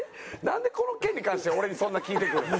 なんでこの件に関しては俺にそんな聞いてくるの？